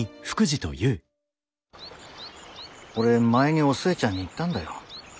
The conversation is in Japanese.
俺前にお寿恵ちゃんに言ったんだよ。